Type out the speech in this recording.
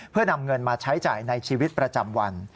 เพื่อนำเงินมาใช้จ่ายในชีวิตประจำวัน